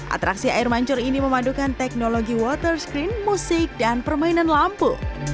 atraksi air mancur ini memadukan teknologi water screen musik dan permainan lampu